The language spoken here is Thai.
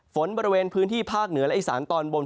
บริเวณพื้นที่ภาคเหนือและอีสานตอนบน